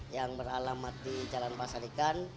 yang beralamat di jalan pasar ikan